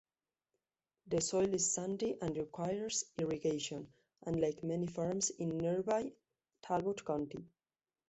The soil is sandy and requires irrigation, unlike many farms in nearby Talbot County.